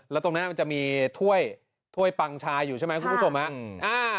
แล้วตรงนั้นมันจะมีถ้วยปังชาอยู่ใช่ไหมคุณผู้ชมฮะ